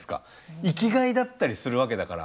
生きがいだったりするわけだから。